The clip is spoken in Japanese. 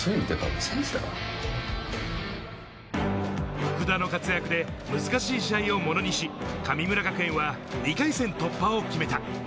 福田の活躍で難しい試合をものにし、神村学園は２回戦突破を決めた。